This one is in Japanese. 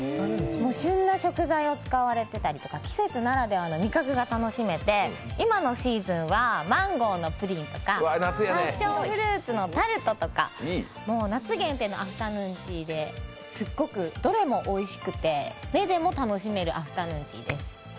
旬な食材を使われていたりとか、季節ならではの味覚が楽しめて今のシーズンはマンゴーのプリンとかパッションフルーツのタルトとか夏限定のアフタヌーンティーで、すっごくどれもおいしくて、目でも楽しめるアフタヌーンティーです。